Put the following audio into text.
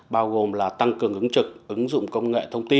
bao gồm là tăng cường ứng trực ứng dụng công nghệ thông tin